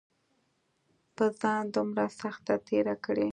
پۀ ځان دومره سخته تېره کړې